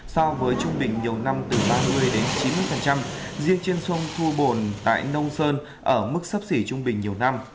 so với trung bình nhiều năm từ ba mươi đến chín mươi riêng trên sông thu bồn tại nông sơn ở mức sấp xỉ trung bình nhiều năm